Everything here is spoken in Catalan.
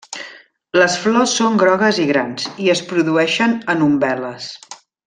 Les flors són grogues i grans, i es produeixen en umbel·les.